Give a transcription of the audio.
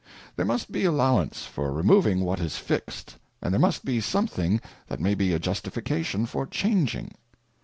There must be allowance for removing what is fixed, and there must be something that may be a justification for changing.